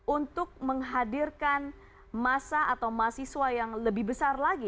untuk menghadirkan masa atau mahasiswa yang lebih besar lagi